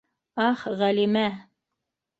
Ах, Ғәлимә!